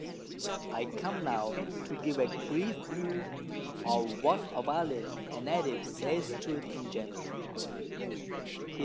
I come now to give a brief View of what Ovalle, a Native, says to it in general.